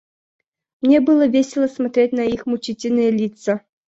Мне было весело смотреть на их мучительные лица.